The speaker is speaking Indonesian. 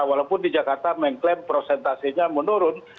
walaupun di jakarta mengklaim prosentasenya menurun